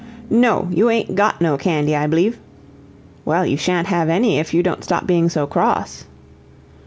"No you ain't GOT no candy, I bleeve." "Well, you sha'n't have any if you don't stop being so cross."